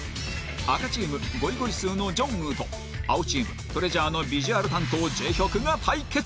赤チームゴイゴイスーのジョンウと青チーム ＴＲＥＡＳＵＲＥ のビジュアル担当ジェヒョクが対決